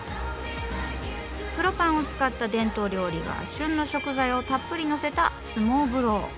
黒パンを使った伝統料理が旬の食材をたっぷりのせたスモーブロー。